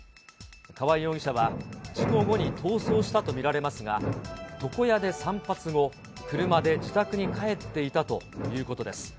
川合容疑者は事故後に逃走したと見られますが、床屋で散髪後、車で自宅に帰っていたということです。